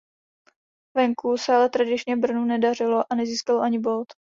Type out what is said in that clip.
Venku se ale tradičně Brnu nedařilo a nezískalo ani bod.